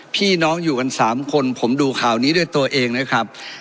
พี่น้องอยู่กัน๓คนผมดูข่าวนี้ด้วยตัวเองนะครับ